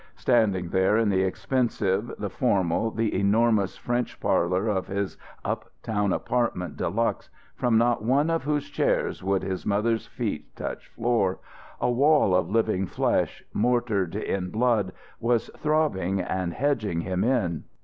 Standing there in the expensive, the formal, the enormous French parlour of his up town apartment de luxe, from not one of whose chairs would his mother's feet touch floor, a wall of living flesh, mortared in blood, was throbbing and hedging him in.